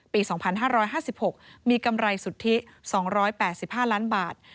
ปี๒๕๕๖มีกำไรสุทธิ๒๘๕ล้านบาท